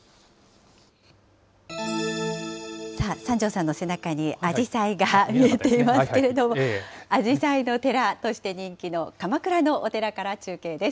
さあ、三條さんの背中にアジサイが見えていますけれども、アジサイの寺として人気の鎌倉のお寺から中継です。